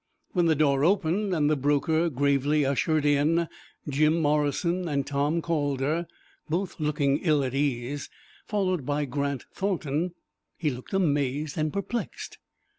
When the door opened, and the broker gravely ushered in Jim Morrison and Tom Calder, both looking ill at ease, followed by Grant Thornton, he looked amazed and perplexed.